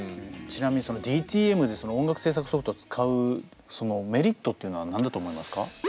ちなみにＤＴＭで音楽制作ソフトを使うメリットっていうのは何だと思いますか？